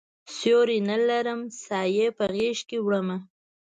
سیوری نه لرم سایې په غیږکې وړمه